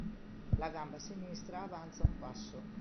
La gamba sinistra avanza un passo.